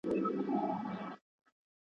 ځان یې ښکلی تر طاووس ورته ښکاره سو!